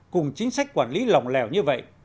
cùng chính sách quản lý lòng lèo như vậy